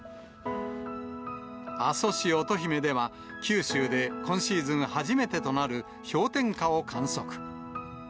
阿蘇市乙姫では、九州で今シーズン初めてとなる氷点下を観測。